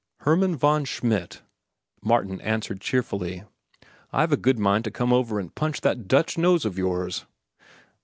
"Hermann von Schmidt," Martin answered cheerfully, "I've a good mind to come over and punch that Dutch nose of yours."